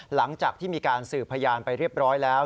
หลังจากที่มีการสืบพยานไปเรียบร้อยแล้ว